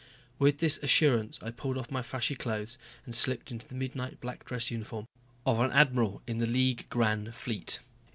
With this assurance I pulled off my flashy clothes and slipped into the midnight black dress uniform of an admiral in the League Grand Fleet.